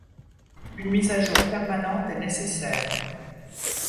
Une mise à jour permanente est nécessaire...